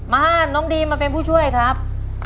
น้องดีมมาเป็นผู้ช่วยครับ